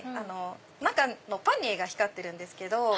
中のパニエが光ってるんですけど。